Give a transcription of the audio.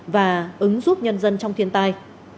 và ứng giúp nhân dân trong thiên tai